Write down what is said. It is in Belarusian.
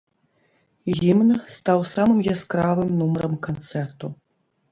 Гімн стаў самым яскравым нумарам канцэрту.